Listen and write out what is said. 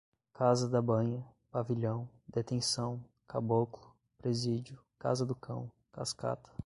casa da banha, pavilhão, detenção, caboclo, presídio, casa do cão, cascata